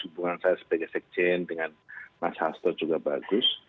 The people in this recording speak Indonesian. hubungan saya sebagai sekjen dengan mas hasto juga bagus